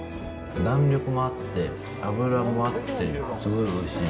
弾力があって、脂もあって、すごいおいしい。